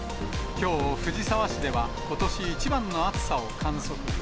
きょう、藤沢市ではことし一番の暑さを観測。